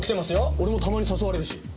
俺もたまに誘われるし。